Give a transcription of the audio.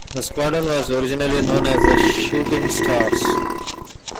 The squadron was originally known as the "Shooting Stars".